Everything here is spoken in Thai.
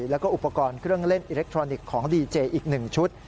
แล้วก็อุปกรณ์เครื่องเล่นอิเล็กทรอนิกส์ของดีเจอีก๑ชุด